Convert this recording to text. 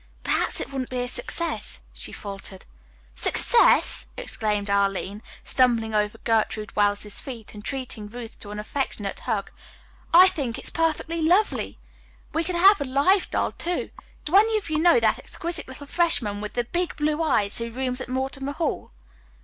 Perhaps it wouldn't be a success," she faltered. "Success!" exclaimed Arline, stumbling over Gertrude Wells's feet and treating Ruth to an affectionate hug. "I think it's perfectly lovely. We can have a live doll, too. Do any of you know that exquisite little freshman with the big blue eyes who rooms at Mortimer Hall?"